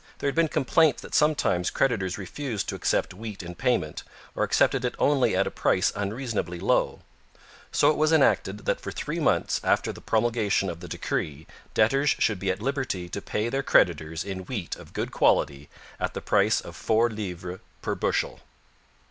There had been complaints that sometimes creditors refused to accept wheat in payment, or accepted it only at a price unreasonably low. So it was enacted that for three months after the promulgation of the decree debtors should be at liberty to pay their creditors in wheat of good quality at the price of four livres per bushel.